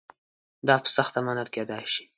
دا په سخته منل کېدای شي.